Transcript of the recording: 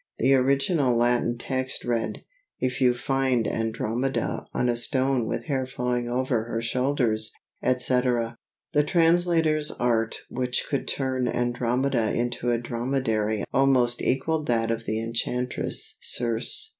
The original Latin text read, "If you find Andromeda on a stone with hair flowing over her shoulders," etc. The translator's art which could turn Andromeda into a dromedary almost equalled that of the enchantress Circe.